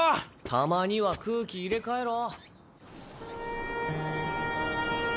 たまには空気入れ替えろ。